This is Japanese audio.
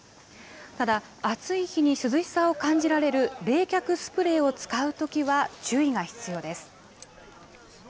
ただ、暑い日に涼しさを感じられる冷却スプレーを使うときは注意が必要です。